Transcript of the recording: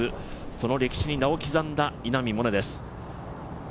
その歴史に名を刻んだ稲見萌寧です。